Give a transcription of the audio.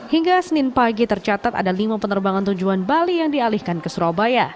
hingga senin pagi tercatat ada lima penerbangan tujuan bali yang dialihkan ke surabaya